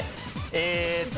えーっと。